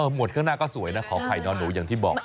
หมดข้างหน้าก็สวยนะขอไข่นอนหนูอย่างที่บอก